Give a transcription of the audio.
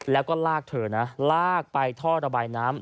แล้วก็ลากเธอนะลากไปท่อระบายน้ำ